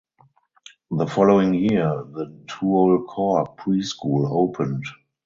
The following year the Tuol Kork preschool opened.